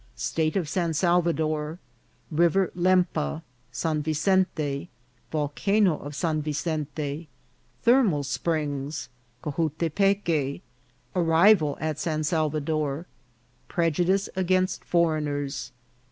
— State of San Salvador. — River Lempa. — San Vicente. — Volcano of San Vicente. — Thermal Springs. — Cojutepeque. — Arrival at San Salvador. — Prejudice against Foreigners.